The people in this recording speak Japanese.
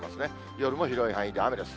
夜も広い範囲で雨です。